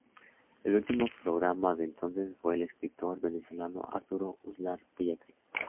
El último programa de entonces fue con el escritor venezolano Arturo Uslar Pietri.